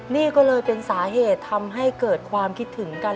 นี่ก็เลยเป็นสาเหตุทำให้เกิดความคิดถึงกัน